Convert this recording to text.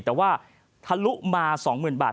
แต่ว่าทะลุมา๒๐๐๐บาท